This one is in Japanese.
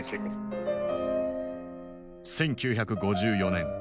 １９５４年。